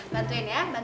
bantuin ya bantuin baik